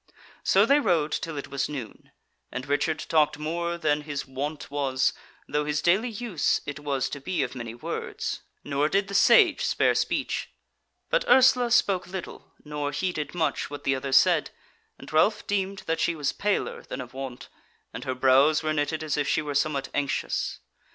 So they rode till it was noon, and Richard talked more than his wont was, though his daily use it was to be of many words: nor did the Sage spare speech; but Ursula spoke little, nor heeded much what the others said, and Ralph deemed that she was paler than of wont, and her brows were knitted as if she were somewhat anxious.